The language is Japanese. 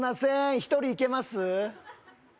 一人いけます？